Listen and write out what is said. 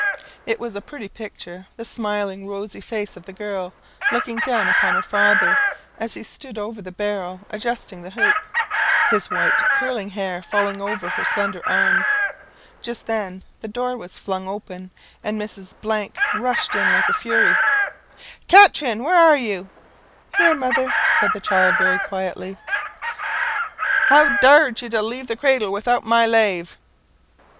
It was a pretty picture; the smiling rosy face of the girl looking down upon her father, as he stooped over the barrel adjusting the hoop, his white curling hair falling over her slender arms. Just then the door was flung open, and Mrs. rushed in like a fury. "Katrine, where are you?" "Here, mother," said the child, very quietly. How dar'd you to leave the cradle widout my lave?"